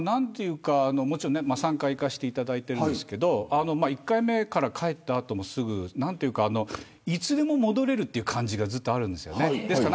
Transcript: ３回、行かせていただいているんですけど１回目から帰った後もいつでも戻れるっていう感じがずっとあるんです。